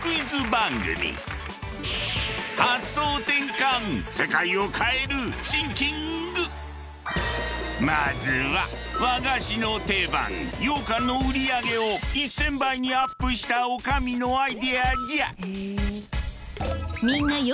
番組まずは和菓子の定番羊かんの売り上げを１，０００倍にアップしたおかみのアイデアじゃ。